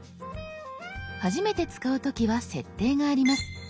初めて使う時は設定があります。